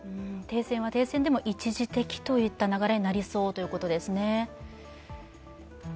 停戦は停戦でも一時的といった流れになりそうといったことですね。